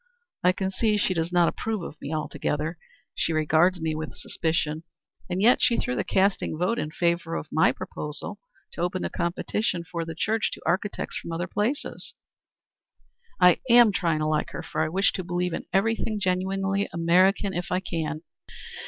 I can see she does not approve of me altogether. She regards me with suspicion, and yet she threw the casting vote in favor of my proposal to open the competition for the church to architects from other places. I am trying to like her, for I wish to believe in everything genuinely American if I can.